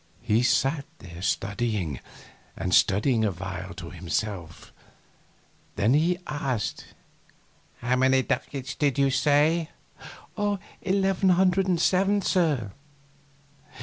He sat there studying and studying awhile to himself; then he asked: "How many ducats did you say?" "Eleven hundred and seven, sir."